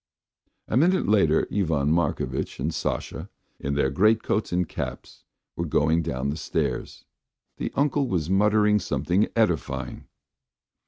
A minute later Ivan Markovitch and Sasha in their great coats and caps were going down the stairs. The uncle was muttering something edifying.